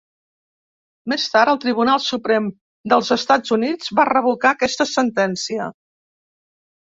Més tard, el Tribunal Suprem dels Estats Units va revocar aquesta sentència.